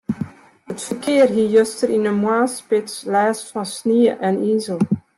It ferkear hie juster yn de moarnsspits lêst fan snie en izel.